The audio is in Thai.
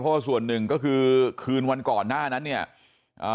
เพราะว่าส่วนหนึ่งก็คือคืนวันก่อนหน้านั้นเนี่ยอ่า